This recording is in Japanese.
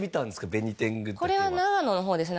ベニテングタケはこれは長野の方ですね